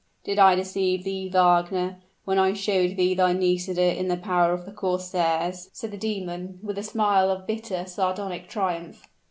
"Did I deceive thee, Wagner, when I showed thee thy Nisida in the power of the corsairs?" said the demon, with a smile of bitter, sardonic triumph.